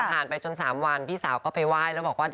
ไปจน๓วันพี่สาวก็ไปไหว้แล้วบอกว่า